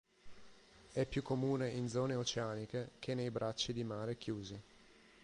È più comune in zone oceaniche che nei bracci di mare chiusi.